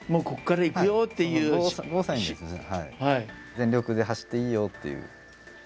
全力で走っていいよっていう。